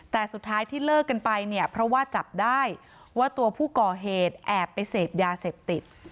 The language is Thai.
แต่สุดท้ายที่เลิกกันไปเนี่ยเพราะว่าจับได้ว่าตัวผู้ก่อเหตุแอบไปเสพยาเสพติด